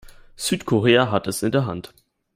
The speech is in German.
Südkorea hat es in der Hand.